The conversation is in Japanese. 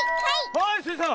はいスイさん。